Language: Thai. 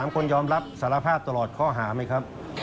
คนยอมรับสารภาพตลอดข้อหาไหมครับ